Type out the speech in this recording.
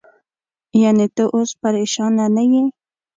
یعنې، ته اوس پرېشانه نه یې؟